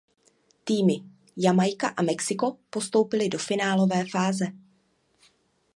Týmy Jamajka a Mexiko postoupily do finálové fáze.